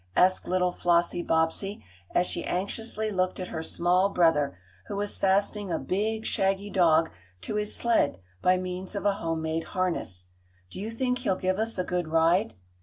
asked little Flossie Bobbsey, as she anxiously looked at her small brother, who was fastening a big, shaggy dog to his sled by means of a home made harness. "Do you think he'll give us a good ride?"